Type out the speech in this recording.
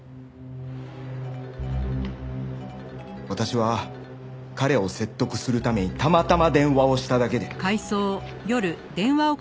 私は彼を説得するためにたまたま電話をしただけで。